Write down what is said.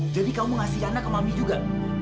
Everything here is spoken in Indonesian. jadi kamu ngasih yana ke mami juga